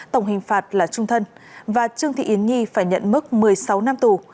tổng hình phạt là trung thân và trương thị yến nhi phải nhận mức một mươi sáu năm tù